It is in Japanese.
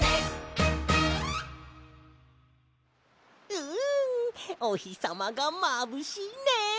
うんおひさまがまぶしいね！